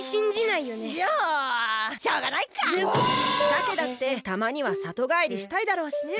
さけだってたまにはさとがえりしたいだろうしね。